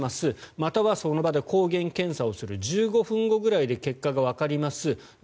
またはその場で抗原検査を受ける１５分ぐらいで結果がわかります。